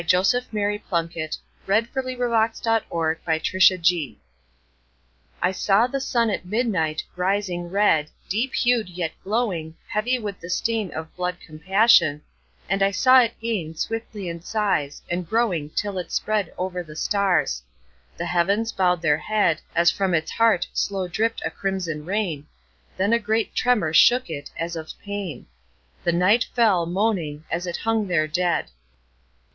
Joseph Mary Plunkett (1887–1916) 341. I saw the Sun at Midnight, rising red I SAW the Sun at midnight, rising red, Deep hued yet glowing, heavy with the stainOf blood compassion, and I saw It gainSwiftly in size and growing till It spreadOver the stars; the heavens bowed their headAs from Its heart slow dripped a crimson rain, Then a great tremor shook It, as of pain—The night fell, moaning, as It hung there dead.